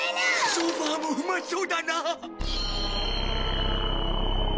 ソファもうまそうだな。